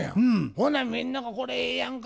ほなみんなが「これええやんか。